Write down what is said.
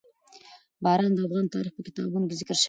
باران د افغان تاریخ په کتابونو کې ذکر شوي دي.